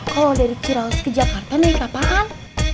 kalo dari ciraus ke jakarta naik apaan